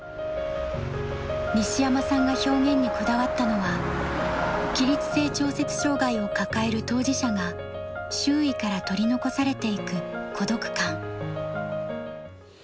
西山さんが表現にこだわったのは起立性調節障害を抱える当事者が周囲から取り残されていく孤独感。